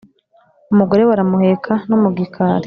Umugore baramuheka, no mu gikari,